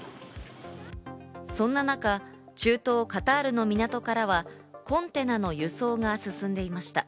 そんな中、中東・カタールの港からはコンテナの輸送が進んでいました。